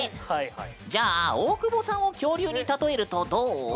じゃあ大久保さんを恐竜に例えるとどう？